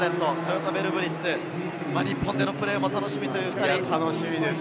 トヨタヴェルブリッツ、日本でのプレーも楽しみな２人です。